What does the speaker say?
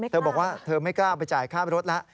เธอบอกว่าเธอไม่กล้าไปจ่ายค่ารถแล้ว